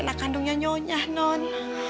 jadi anak kandungnya nyonya non